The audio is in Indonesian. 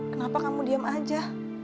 kenapa kamu diam aja